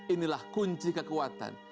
ini adalah kunci kekuatan